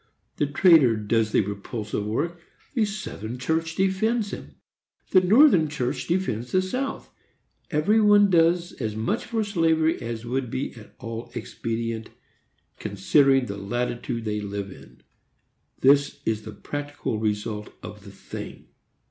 The trader does the repulsive work, the Southern church defends him, the Northern church defends the South. Every one does as much for slavery as would be at all expedient, considering the latitude they live in. This is the practical result of the thing.